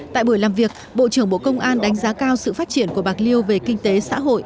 tại buổi làm việc bộ trưởng bộ công an đánh giá cao sự phát triển của bạc liêu về kinh tế xã hội